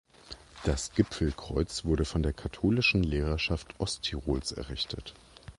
Das Gipfelkreuz wurde von der Katholischen Lehrerschaft Osttirols errichtet.